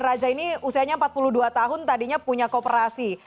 raja ini usianya empat puluh dua tahun tadinya punya kooperasi